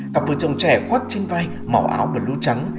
cặp vợ chồng trẻ khuất trên vai màu áo và lưu trắng